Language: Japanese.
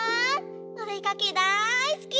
おでかけだいすき！